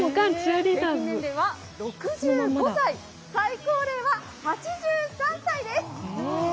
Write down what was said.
平均年齢は６５歳、最高齢は８３歳です。